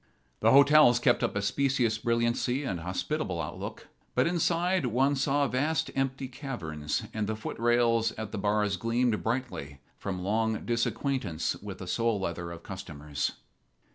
The hotels kept up a specious brilliancy and hospitable outlook, but inside one saw vast empty caverns, and the footrails at the bars gleamed brightly from long disacquaintance with the sole leather of customers.